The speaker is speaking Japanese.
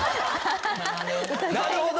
なるほど。